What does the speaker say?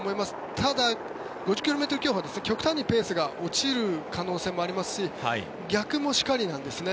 ただ５０ｋｍ競歩は極端にペースが落ちる可能性がありますし逆もしかりなんですね。